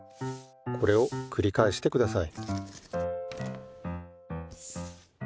これをくりかえしてください。